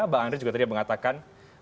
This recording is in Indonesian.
mbak andre juga tadi mengatakan